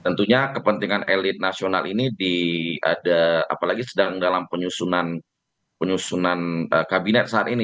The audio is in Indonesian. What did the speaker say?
tentunya kepentingan elit nasional ini ada apalagi sedang dalam penyusunan penyusunan kabinet saat ini